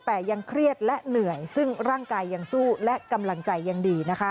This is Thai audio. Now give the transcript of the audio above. แต่ยังเครียดและเหนื่อยซึ่งร่างกายยังสู้และกำลังใจยังดีนะคะ